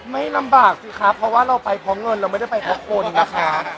ไม่ลำบากสิครับเพราะว่าเราไปเพราะเงินเราไม่ได้ไปเพราะคนนะคะ